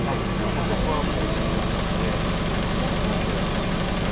そこはもう自分の気持ちでやってらっしゃるんですね。